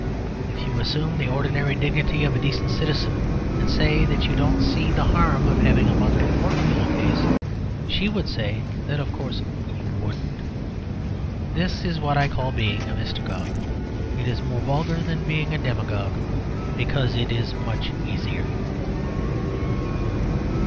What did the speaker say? If you assume the ordinary dignity of a decent citizen and say that you don't see the harm of having a mother or a pillow case, she would say that of course you wouldn't. This is what I call being a mystagogue. It is more vulgar than being a demagogue; because it is much easier.